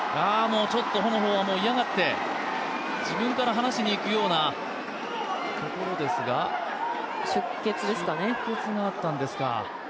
ホの方は嫌がって自分から離しにいくようなところですが出血があったんですか。